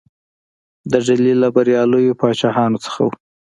د ډهلي له بریالیو پاچاهانو څخه وو.